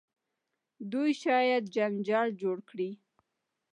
دوی شاید جنجال جوړ کړي.